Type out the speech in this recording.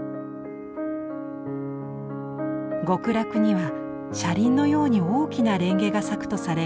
極楽には車輪のように大きな蓮華が咲くとされ